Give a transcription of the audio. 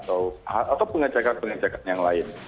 atau pengecekan pengecekan yang lain